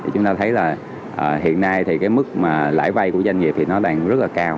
chúng ta thấy là hiện nay thì cái mức mà lãi vay của doanh nghiệp thì nó đang rất là cao